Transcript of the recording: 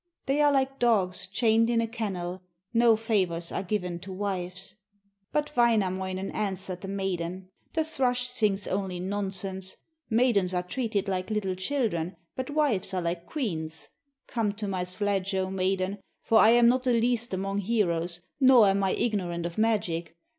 They are like dogs chained in a kennel, no favours are given to wives."' But Wainamoinen answered the maiden: 'The thrush sings only nonsense. Maidens are treated like little children, but wives are like queens. Come to my sledge, O maiden, for I am not the least among heroes, nor am I ignorant of magic.